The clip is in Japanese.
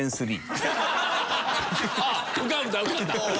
浮かんだ浮かんだ。